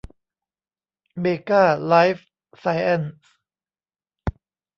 เมก้า ไลฟ์ไซแอ็นซ์